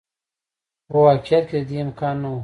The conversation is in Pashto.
خو په واقعیت کې د دې امکان نه و.